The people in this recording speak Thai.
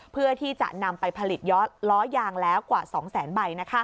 เพื่อที่จะนำไปผลิตล้อยางแล้วกว่า๒แสนใบ